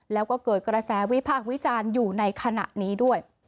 แล้วก็เกิดกระแสวิพากษ์วิจารณ์อยู่ในขณะนี้ด้วย